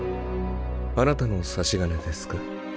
あなたの差し金ですか？